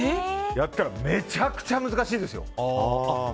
やったらめちゃくちゃ難しいですよ。